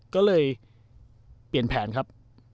ก็เลยเปลี่ยนแผนครับ